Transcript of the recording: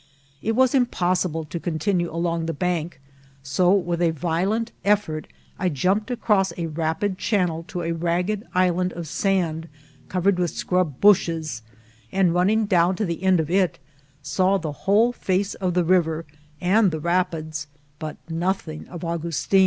It was impossible to eon t|nne along the bank ; so, with a violent effort, I jump ed across a rafud channel to a ragged island of sand oovered with scrub bushes, and, running down to the end of it, saw the whole fece of the river and the rap ids, but nothing of Augustin.